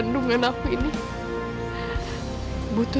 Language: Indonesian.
ya udah sampai dahulu